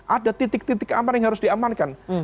ada titik titik aman yang harus diamankan